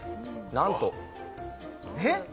なんとえっ？